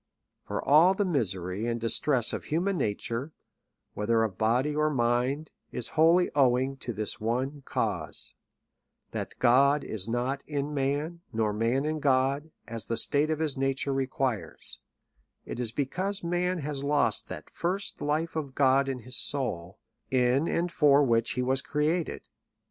For all the misery and dis tress of human nature, whether of body or mind, is wholly owing to this one cause — that God is not in man, nor man in God, as the state of his nature re quires ; it is because man has lost that first life of God in his soul, in and for which he was created.